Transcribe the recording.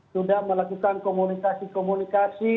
sudah melakukan komunikasi komunikasi